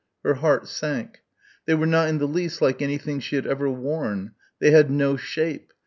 Her heart sank. They were not in the least like anything she had ever worn. They had no shape.